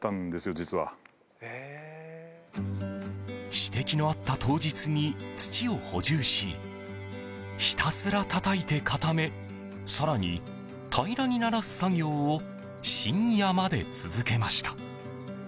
指摘のあった当日に土を補充しひたすらたたいて固め更に平らにならす作業を深夜まで続けました。